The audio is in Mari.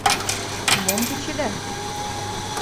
Мом вучеда?